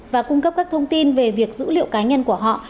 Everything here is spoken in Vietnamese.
và cung cấp các thông tin về việc dữ liệu cá nhân của họ